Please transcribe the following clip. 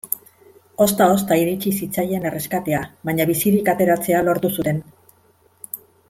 Ozta-ozta iritsi zitzaien erreskatea, baina bizirik ateratzea lortu zuten.